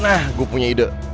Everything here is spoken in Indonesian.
nah gue punya ide